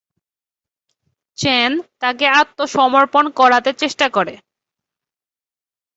চ্যান তাকে আত্মসমর্পণ করাতে চেষ্টা করে।